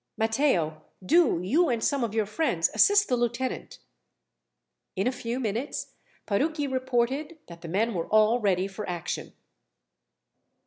"Matteo, do you and some of your friends assist the lieutenant." In a few minutes, Parucchi reported that the men were all ready for action.